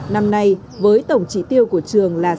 năm nay với tổng trị tiêu của trường là